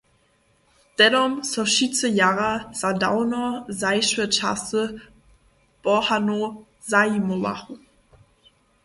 Tehdom so wšitcy jara za dawno zašłe časy pohanow zajimowachu.